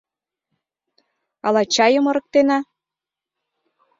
Ала чайым ырыктена?